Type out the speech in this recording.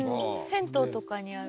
銭湯とかにある。